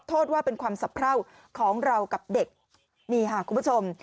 โทษว่าเป็นความสะเพราของเรากับเด็กนี่ค่ะคุณผู้ชม